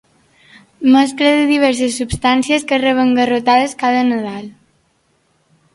Mescla de diverses substàncies que reben garrotades cada Nadal.